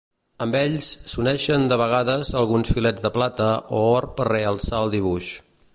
Amb ells, s'uneixen de vegades, alguns filets de plata o or per realçar el dibuix.